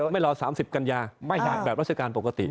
ไม่รอ๓๐กันยาไม่แบบราชการปกติ